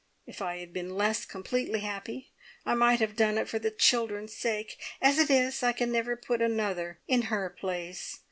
If I had been less completely happy, I might have done it for the children's sake. As it is, I can never put another in her place.